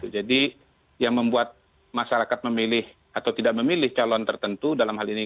jadi yang membuat masyarakat memilih atau tidak memilih calon tertentu dalam hal hal yang lain